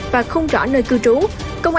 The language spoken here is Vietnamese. và không rõ nơi giao dịch viên của ngân hàng đông á